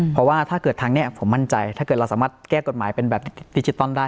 เพราะว่าถ้าเกิดทางนี้ผมมั่นใจถ้าเกิดเราสามารถแก้กฎหมายเป็นแบบดิจิตอลได้